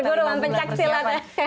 perguruan pencak silat ya